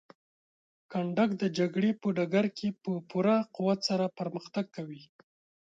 کنډک د جګړې په ډګر کې په پوره قوت سره پرمختګ کوي.